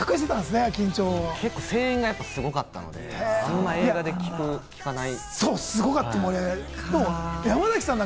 結構、声援がすごかったんで、あんま映画で聞かない。